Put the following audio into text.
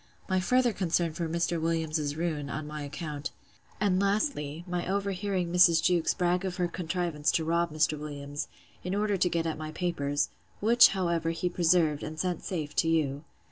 My further concern for Mr. Williams's ruin, on my account: And, lastly, my over hearing Mrs. Jewkes brag of her contrivance to rob Mr. Williams, in order to get at my papers; which, however, he preserved, and sent safe to you.